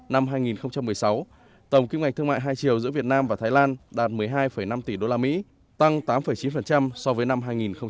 năm hai nghìn một mươi sáu tổng kim ngạch thương mại hai triệu giữa việt nam và thái lan đạt một mươi hai năm tỷ usd tăng tám chín so với năm hai nghìn một mươi bảy